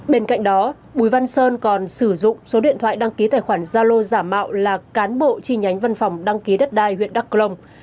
bên cạnh đó bùi văn sơn còn sử dụng số điện thoại đăng ký tài khoản gia lô giả mạo là cán bộ chi nhánh văn phòng đăng ký đất đai huyện đắk lông